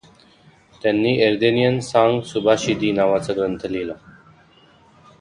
त्यांनी एर्देनियन सांङ्ग सुबाशिदि नावाचा ग्रंथ लिहिला.